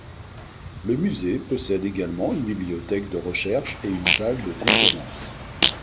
Le musée possède également une bibliothèque de recherche et une salle de conférence.